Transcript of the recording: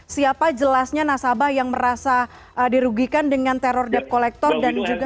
siapa jelasnya nasabah yang merasa dirugikan dengan teror debt collector dan juga